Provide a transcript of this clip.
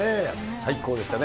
最高でしたね。